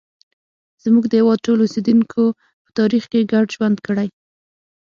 زموږ د هېواد ټولو اوسیدونکو په تاریخ کې ګډ ژوند کړی.